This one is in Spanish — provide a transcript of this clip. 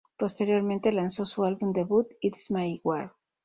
Posteriormente lanzó su álbum debut "It's My War".